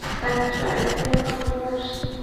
একটা আইডিয়া মাথায় এসেছে।